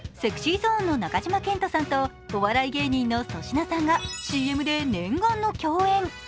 ＳｅｘｙＺｏｎｅの中島健人さんとお笑い芸人の粗品さんがＣＭで念願の共演。